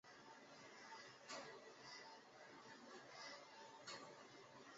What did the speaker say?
绒额䴓为䴓科䴓属的鸟类。